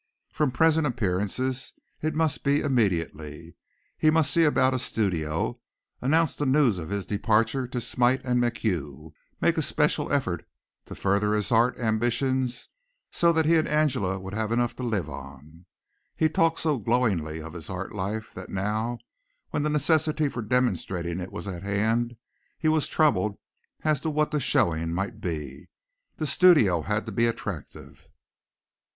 From present appearances it must be immediately. He must see about a studio, announce the news of his departure to Smite and MacHugh; make a special effort to further his art ambitions so that he and Angela would have enough to live on. He had talked so glowingly of his art life that now, when the necessity for demonstrating it was at hand, he was troubled as to what the showing might be. The studio had to be attractive.